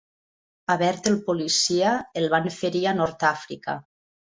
A Bert el policia el van ferir a Nord-Àfrica.